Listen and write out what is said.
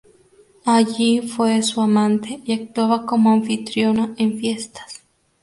Allí fue su amante y actuaba como anfitriona en fiestas.